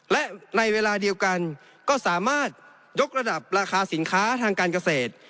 และในเวลาเดียวกันก็สามารถยกระดับราคาสินค้าทางการเกษตร